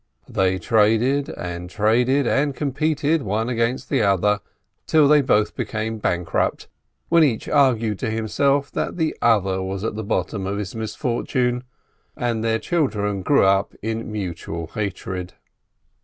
They traded and traded, and competed one against the other, till they both become bankrupt, when each argued to himself that the other was at the bottom of his misfortune — and their children grew on in mutual hatred.